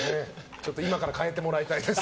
今から変えてもらいたいです。